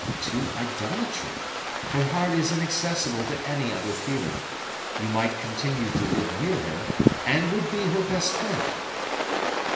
"To idolatry. Her heart is inaccessible to any other feeling. You might continue to live near her, and would be her best friend."